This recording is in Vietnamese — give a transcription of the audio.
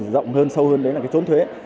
rộng hơn sâu hơn đấy là cái trốn thuế